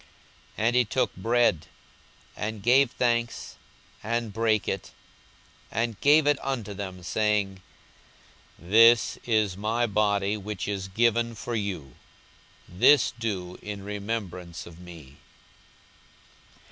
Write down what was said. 42:022:019 And he took bread, and gave thanks, and brake it, and gave unto them, saying, This is my body which is given for you: this do in remembrance of me.